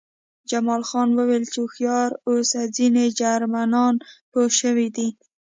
جمال خان وویل چې هوښیار اوسه ځینې جرمنان پوه شوي دي